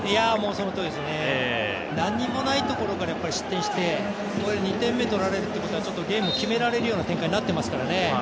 そのとおりですね、何もないところから失点して２点目を取られるということはゲームを決められるような展開になってますからね。